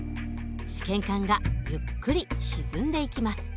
試験管がゆっくり沈んでいきます。